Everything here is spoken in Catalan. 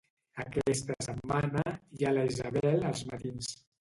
Aquesta setmana hi ha la Isabel als matins.